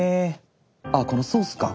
あこのソースか。